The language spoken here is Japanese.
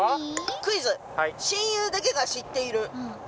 「クイズ親友だけが知っている！！」